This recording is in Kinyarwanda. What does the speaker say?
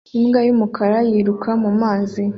Imbwa y'umukara yiruka mu mazi